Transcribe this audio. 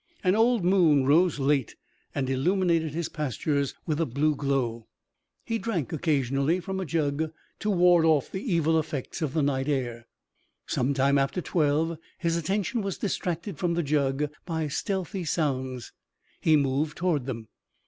An old moon rose late and illuminated his pastures with a blue glow. He drank occasionally from a jug to ward off the evil effects of the night air. Some time after twelve his attention was distracted from the jug by stealthy sounds. He moved toward them.